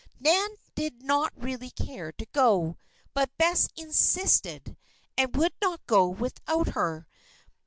Nan did not really care to go; but Bess insisted, and would not go without her.